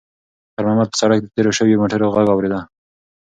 خیر محمد په سړک کې د تېرو شویو موټرو غږ اورېده.